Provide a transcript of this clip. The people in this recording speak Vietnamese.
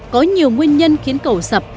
có nhiều nguyên nhân khiến cầu sập